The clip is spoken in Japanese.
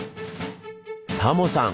タモさん